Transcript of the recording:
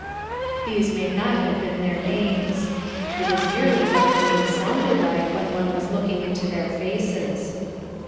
Those may not have been their names. It is merely what the names sounded like when one was looking into their faces.